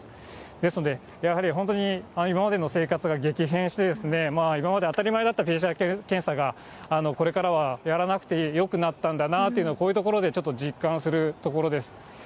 ですので、やはり本当に今までの生活が激変して、今まで当たり前だったＰＣＲ検査がこれからはやらなくてよくなったんだなというのは、こういうところでちょっと実感するところです。